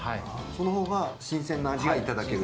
そのほうが新鮮な味がいただける。